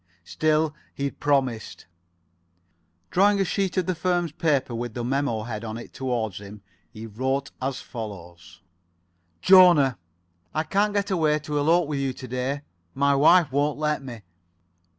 Still, he had promised. Drawing a sheet of the firm's paper with the memo. head on it towards him, he wrote as follows: "Jona: I can't get away to elope with you to day. My wife won't let me.